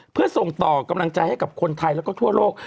เพื่อส่งต่อกำลังใจให้กับคนไทยแล้วก็ทั่วโลก